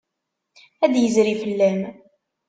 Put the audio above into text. Ad d-yezri fell-am.